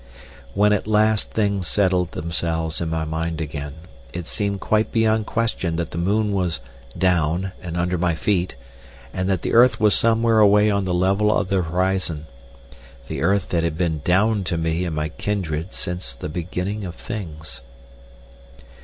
When at last things settled themselves in my mind again, it seemed quite beyond question that the moon was "down" and under my feet, and that the earth was somewhere away on the level of the horizon—the earth that had been "down" to me and my kindred since the beginning of things.